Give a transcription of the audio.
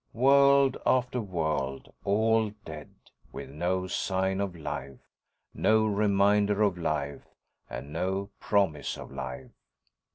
World after world, all dead, with no sign of life, no reminder of life, and no promise of life.